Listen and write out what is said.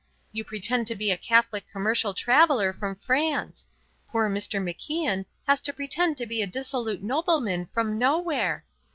You pretend to be a Catholic commercial traveller from France. Poor Mr. MacIan has to pretend to be a dissolute nobleman from nowhere.